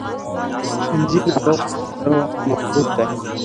فلجي ناروغ په خبرو محدود دی.